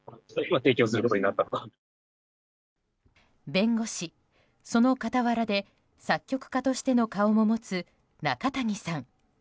弁護士、そのかたわらで作曲家としての顔も持つ中谷さん。